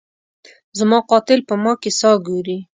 زما قاتل په ما کي ساه ګوري